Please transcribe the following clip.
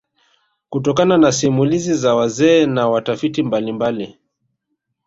Kutokana na simulizi za wazee na watafiti mbalimbali